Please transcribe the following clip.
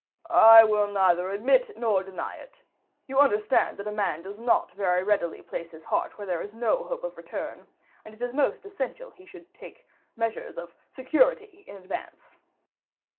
"I will neither admit nor deny it. You understand that a man does not very readily place his heart where there is no hope of return, and that it is most essential he should take measures of security in advance."